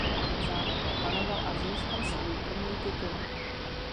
Závod opanoval a získal svůj první titul.